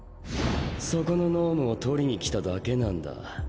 そこの脳無を取りに来ただけなんだ